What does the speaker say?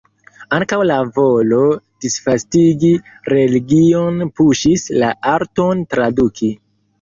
Ankaŭ la volo disvastigi religion puŝis la arton traduki.